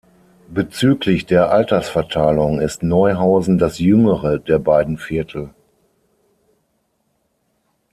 Bezüglich der Altersverteilung ist Neuhausen das jüngere der beiden Viertel.